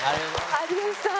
有吉さん